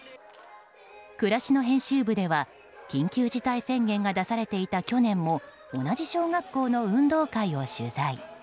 暮らしの編集部では緊急事態宣言が出されていた去年も同じ小学校の運動会を取材。